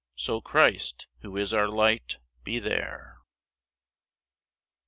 So Christ, who is our Light, be there.